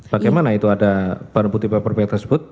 bagaimana itu ada barang bukti paperbai tersebut